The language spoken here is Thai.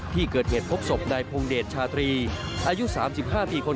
ที่เกิดเหตุพบศพนายพงเดชชาตรีอายุ๓๕ปีคน